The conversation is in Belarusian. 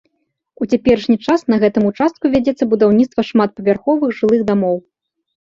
У цяперашні час на гэтым участку вядзецца будаўніцтва шматпавярховых жылых дамоў.